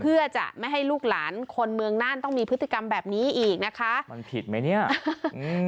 เพื่อจะไม่ให้ลูกหลานคนเมืองน่านต้องมีพฤติกรรมแบบนี้อีกนะคะมันผิดไหมเนี้ยอืม